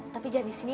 tapi jangan disini